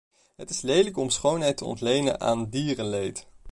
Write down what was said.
Het is lelijk om schoonheid te ontlenen aan dierenleed.